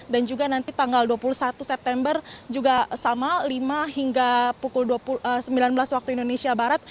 dan juga nanti tanggal dua puluh satu september juga sama lima hingga pukul sembilan belas waktu indonesia barat